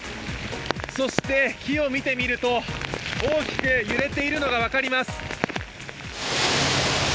そして木を見てみると大きく揺れているのが分かります。